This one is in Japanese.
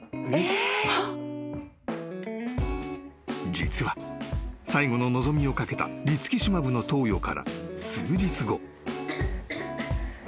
［実は最後の望みを懸けたリツキシマブの投与から数日後］